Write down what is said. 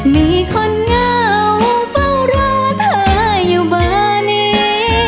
มีคนเหงาเฝ้ารอเธออยู่เบอร์นี้